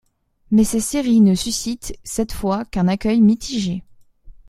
Mais ces séries ne suscitent cette fois qu'un accueil mitigé.